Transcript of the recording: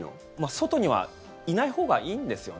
外にはいないほうがいいんですよね。